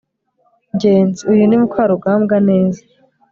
ngenzi, uyu ni mukarugambwa neza